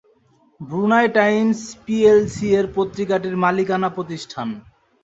Brunei Times PLC এই পত্রিকাটির মালিকানা প্রতিষ্ঠান।